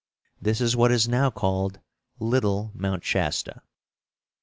This is what is now called "Little Mount Shasta."